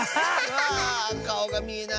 わかおがみえない。